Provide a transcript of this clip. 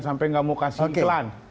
sampai gak mau kasih iklan